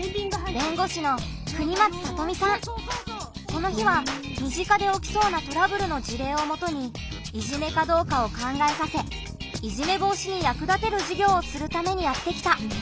この日は身近でおきそうなトラブルの事例をもとにいじめかどうかを考えさせいじめ防止にやく立てる授業をするためにやって来た。